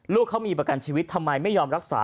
ลูกเขามีประกันชีวิตทำไมไม่ยอมรักษา